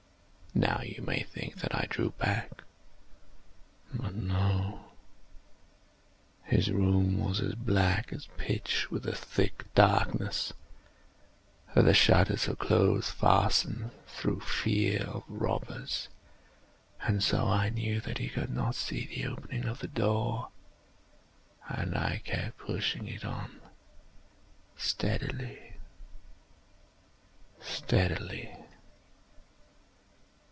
Now you may think that I drew back—but no. His room was as black as pitch with the thick darkness, (for the shutters were close fastened, through fear of robbers,) and so I knew that he could not see the opening of the door, and I kept pushing it on steadily, steadily.